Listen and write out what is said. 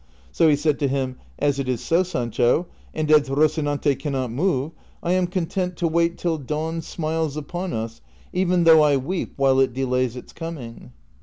So he said to him, " As it is so, Sancho, and as Eocinante can not move, I am content to wait till dawn smiles upon us, even though I weep while it delays its coming."